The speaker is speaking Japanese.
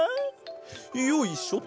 よいしょと。